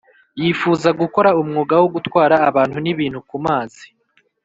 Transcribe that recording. yifuza gukora umwuga wo gutwara abantu n’ibintu ku mazi;